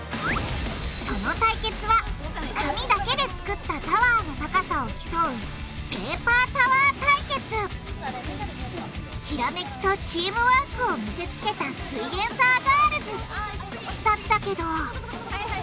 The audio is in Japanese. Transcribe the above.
その対決は紙だけで作ったタワーの高さを競うひらめきとチームワークを見せつけたすイエんサーガールズ！だったけど。